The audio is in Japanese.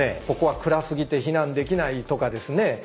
ここは暗すぎて避難できないとかですね